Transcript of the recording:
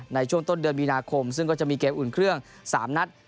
ในช่วงต้นเดือนมีนาคมซึ่งก็จะมีเกมอุ่นเครื่อง๓นัด